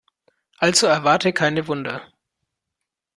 Also erwarte keine Wunder.